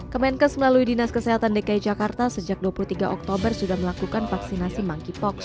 kemenkes melalui dinas kesehatan dki jakarta sejak dua puluh tiga oktober sudah melakukan vaksinasi monkeypox